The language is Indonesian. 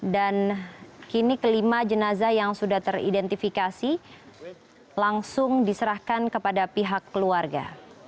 dan kini kelima jenazah yang sudah teridentifikasi langsung diserahkan kepada pihak keluarga